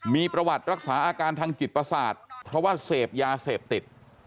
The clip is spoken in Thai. มีประวัติรักษาอาการทางจิตประสาทเพราะว่าเสพยาเสพติด